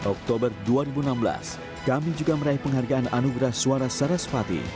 oktober dua ribu enam belas kami juga meraih penghargaan anugerah suara sarasvati